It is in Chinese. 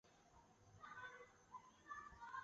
之后杨棣华和汤秀云结婚了。